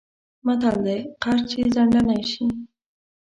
متل دی: قرض چې ځنډنی شی...